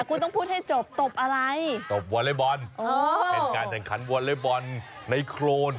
คุณต้องพูดให้จบตบอะไรตบวอเล็กบอลเป็นการแข่งขันวอเล็กบอลในโครน